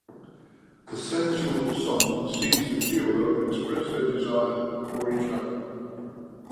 The "sensual" song sees the duo express their desire for each other.